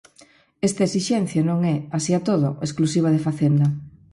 Esta esixencia non é, así e todo, exclusiva de Facenda.